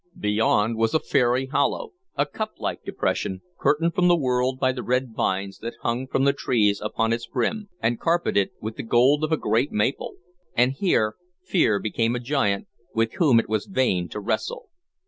Beyond was a fairy hollow, a cuplike depression, curtained from the world by the red vines that hung from the trees upon its brim, and carpeted with the gold of a great maple; and here Fear became a giant with whom it was vain to wrestle.